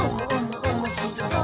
おもしろそう！」